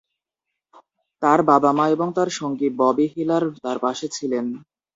তার বাবা-মা এবং তার সঙ্গী ববি হিলার্ড তার পাশে ছিলেন।